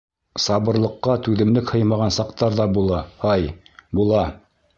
— Сабырлыҡҡа түҙемлек һыймаған саҡтар ҙа була, һай, була.